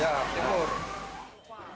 ya di timur